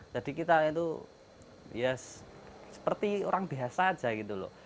jadi kita itu ya seperti orang biasa saja gitu loh